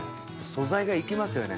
素材が生きますよね